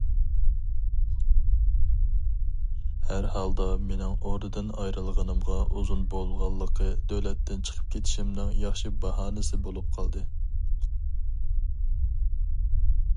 ھەر ھالدا مېنىڭ ئوردىدىن ئايرىلغىنىمغا ئۇزۇن بولغانلىقى دۆلەتتىن چىقىپ كېتىشىمنىڭ ياخشى باھانىسى بولۇپ قالدى.